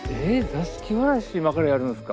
座敷わらし今からやるんすか。